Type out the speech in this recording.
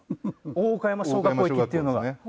大岡山小学校行きっていうのが。